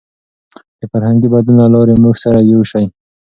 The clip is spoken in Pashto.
د فرهنګي بدلون له لارې موږ سره یو شو.